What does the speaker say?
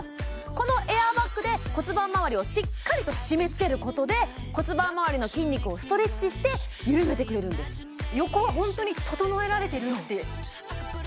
このエアバッグで骨盤まわりをしっかりと締めつけることで骨盤まわりの筋肉をストレッチして緩めてくれるんですわかります